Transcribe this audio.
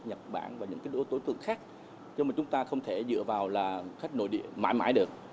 nhật bản và những đối tượng khác nhưng mà chúng ta không thể dựa vào là khách nội địa mãi mãi được